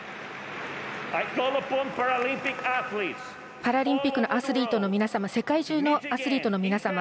パラリンピックのアスリートの皆様世界中のアスリートの皆様